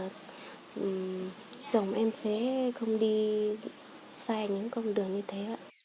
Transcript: chồng em sẽ không đi sai những con đường như thế